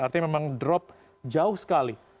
artinya memang drop jauh sekali